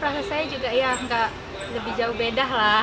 rasa saya juga ya nggak lebih jauh beda lah